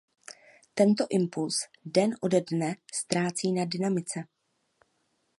Tento impuls den ode dne ztrácí na dynamice.